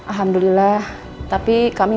alhamdulillah tapi kami